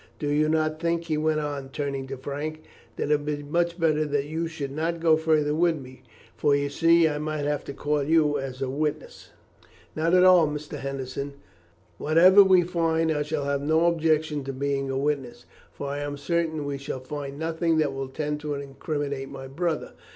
Do you not think," he went on, turning to Frank, "that it would be much better that you should not go further with me, for you see I might have to call you as a witness?" "Not at all, Mr. Henderson; whatever we find, I shall have no objection to being a witness, for I am certain that we shall find nothing that will tend to incriminate my brother.